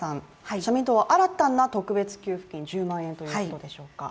社民党は新たな特別給付金１０万円ということでしょうか。